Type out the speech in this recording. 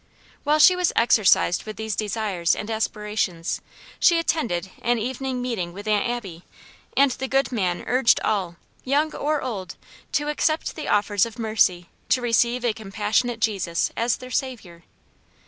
While she was exercised with these desires and aspirations, she attended an evening meeting with Aunt Abby, and the good man urged all, young or old, to accept the offers of mercy, to receive a compassionate Jesus as their Saviour.